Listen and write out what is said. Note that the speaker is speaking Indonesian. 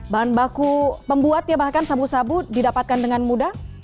bahan baku pembuat ya bahkan sabu sabu didapatkan dengan mudah